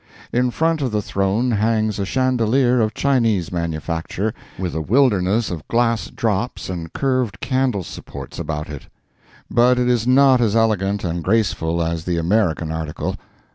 In front of the throne hangs a chandelier of Chinese manufacture, with a wilderness of glass drops and curved candle supports about it; but it is not as elegant and graceful as the American article.